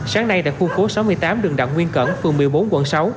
sáng nay tại khu phố sáu mươi tám đường đặng nguyên cẩn phường một mươi bốn quận sáu